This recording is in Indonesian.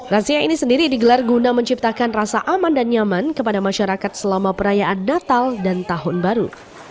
razia ini sendiri digelar guna menciptakan rasa aman dan nyaman kepada masyarakat selama perayaan natal dan tahun baru